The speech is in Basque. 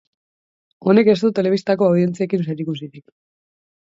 Honek ez du telebistako audientziekin zerikusirik.